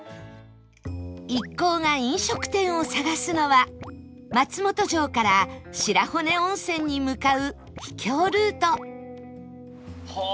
一行が飲食店を探すのは松本城から白骨温泉に向かう秘境ルートはあー！